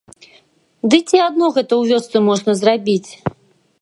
Ды ці адно гэта ў вёсцы можна зрабіць.